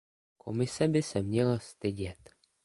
Komise by se měla stydět.